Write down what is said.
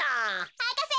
博士！